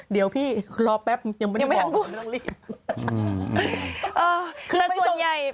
เดี๋ยวพี่รอแป๊บยังไม่ได้มองดูไม่ต้องรีบ